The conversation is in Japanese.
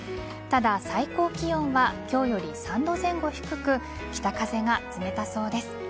ただ最高気温は今日より３度前後低く北風が冷たそうです。